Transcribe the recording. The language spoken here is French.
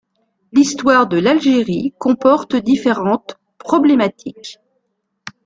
L'Histoire de l'Algérie comporte différentes problématiques.